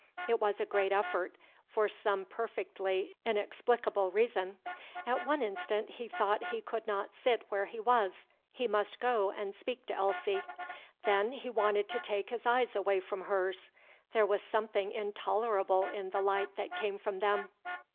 It was a great effort, for some perfectly inexplicable reason. At one instant he thought he could not sit where he was; he must go and speak to Elsie. Then he wanted to take his eyes away from hers; there was something intolerable in the light that came from them.